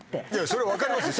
それ分かりますよ